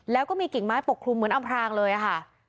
แล้วก็มีกิ่งไม้ปกคลุมเหมือนอำพรางเลยค่ะ